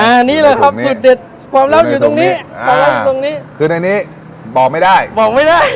อันนี้แหละครับจุดเด็ดความลับอยู่ตรงนี้ความลับอยู่ตรงนี้คือในนี้บอกไม่ได้บอกไม่ได้